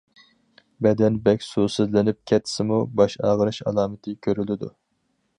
بەدەن بەك سۇسىزلىنىپ كەتسىمۇ باش ئاغرىش ئالامىتى كۆرۈلىدۇ.